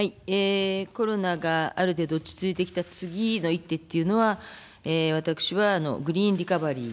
コロナがある程度、落ち着いてきた次の一手というのは、私はグリーンリカバリー。